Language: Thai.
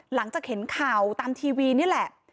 หลังจากเห็นข่าวตามทีวีนี่แหละ